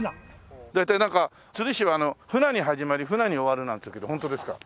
大体なんか釣り師はフナに始まりフナに終わるなんつうけどホントですか？